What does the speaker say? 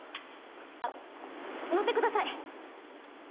あっ乗ってください。